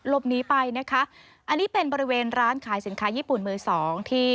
หลบหนีไปนะคะอันนี้เป็นบริเวณร้านขายสินค้าญี่ปุ่นมือสองที่